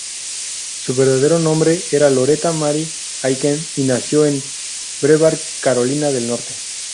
Su verdadero nombre era Loretta Mary Aiken, y nació en Brevard, Carolina del Norte.